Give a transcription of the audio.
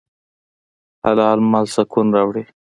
حلال مال سکون راوړي.